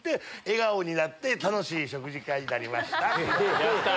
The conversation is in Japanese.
笑顔になって楽しい食事会になりました。